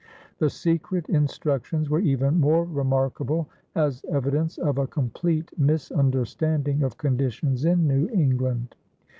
The secret instructions were even more remarkable as evidence of a complete misunderstanding of conditions in New England.